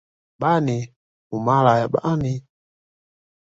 Bani Umayyah Bani al Muttwalib Bani Zuhrah Bani Taym Bani